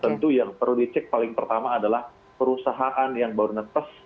tentu yang perlu dicek paling pertama adalah perusahaan yang baru netes